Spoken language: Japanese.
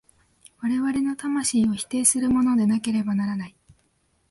我々の魂を否定するものでなければならない。